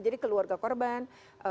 jadi keluarga korban